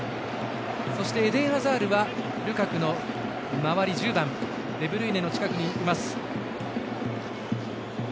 そしてエデン・アザールはルカクの周り１０番、デブルイネの近くにいます。